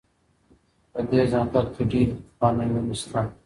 په دې ځنګل کې ډېرې پخوانۍ ونې شته.